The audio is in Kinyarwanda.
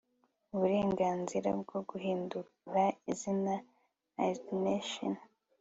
UBURENGANZIRA BWO GUHINDURA IZINA ALTERATION